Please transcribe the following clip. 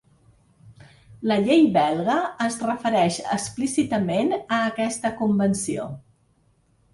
La llei belga es refereix explícitament a aquesta convenció.